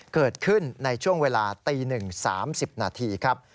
เกิดขึ้นในช่วงเวลาตี๑๓๐นาทีครับ